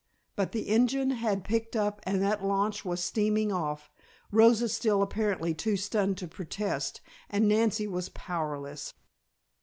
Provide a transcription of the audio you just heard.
But the engine had picked up and that launch was steaming off, Rosa still apparently too stunned to protest, and Nancy was powerless!